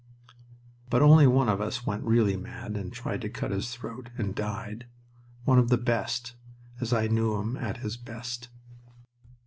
But only one of us went really mad and tried to cut his throat, and died. One of the best, as I knew him at his best.